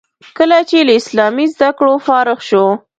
کله چې له اسلامي زده کړو فارغ شو.